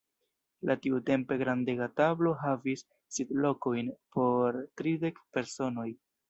La tiutempe grandega tablo havis sidlokojn por tridek personoj.